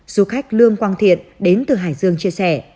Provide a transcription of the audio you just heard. du khách lương quang thiện đến từ hải dương chia sẻ